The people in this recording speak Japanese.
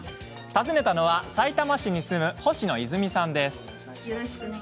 訪ねたのは、さいたま市に住む星野泉さんです。